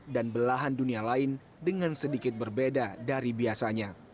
belahan dunia lain dengan sedikit berbeda dari biasanya